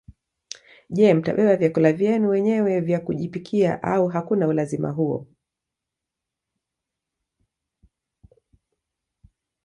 Je mtabeba vyakula vyenu wenyewe vya kujipikia au hakuna ulazima huo